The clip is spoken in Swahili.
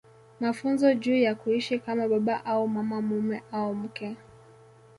Mafunzo juu ya kuishi kama baba au mama mume au mke